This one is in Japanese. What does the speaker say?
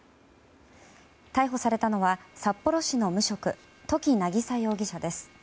逮捕されたのは、札幌市の無職土岐渚容疑者です。